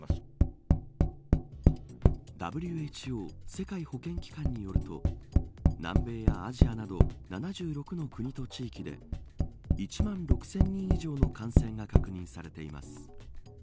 ＷＨＯ世界保健機関によると南米やアジアなど７６の国と地域で１万６０００人以上の感染が確認されています。